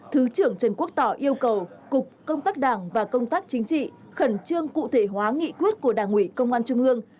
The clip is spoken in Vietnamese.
thứ trưởng trần quốc tỏ yêu cầu cục công tác đảng và công tác chính trị khẩn trương cụ thể hóa nghị quyết của đảng ủy công an trung ương